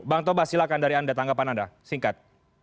bang tobas silahkan dari anda tanggapan anda singkat